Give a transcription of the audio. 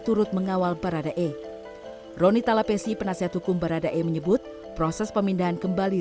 turut mengawal barada e roni talapesi penasihat hukum barada e menyebut proses pemindahan kembali